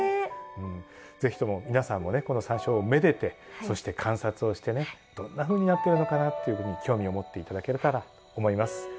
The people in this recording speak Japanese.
是非とも皆さんもねこのサンショウウオをめでてそして観察をしてねどんなふうになってるのかなっていうふうに興味を持っていただけたらと思います。